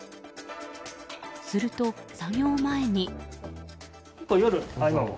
すると作業前に。